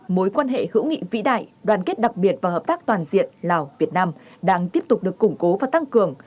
mối quan hệ hữu nghị vĩ đại đoàn kết đặc biệt và hợp tác toàn diện lào việt nam đang tiếp tục được củng cố và tăng cường